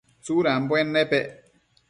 Tsudambuen nepec ?